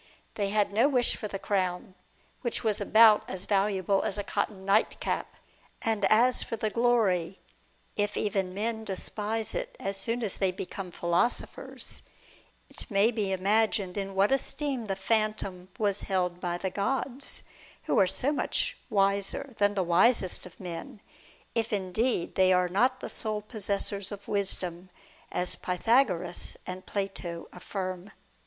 They had no wish for the crown, which was about as valuable as a cotton night cap; and as for the glory, if even men despise it as soon as they become philosophers, it may be imagined in what esteem the phantom was held by the THE WAGER OF PROMETHEUS. 49 gods, who are so much wiser than the wisest of raen, if indeed they are not the sole possessors of wisdom, as Pythagoras and Plato affirm.